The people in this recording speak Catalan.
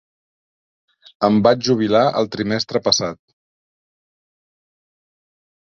Em vaig jubilar el trimestre passat.